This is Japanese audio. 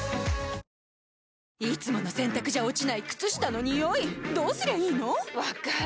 いつもの洗たくじゃ落ちない靴下のニオイどうすりゃいいの⁉分かる。